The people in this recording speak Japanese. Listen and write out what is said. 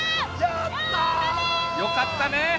よかったね。